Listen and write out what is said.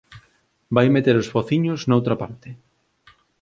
Vai meter os fociños noutra parte